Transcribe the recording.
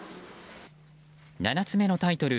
７つ目のタイトル